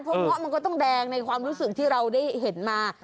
เพราะเงาะมันก็ต้องแดงในความรู้สึกที่เราได้เห็นมา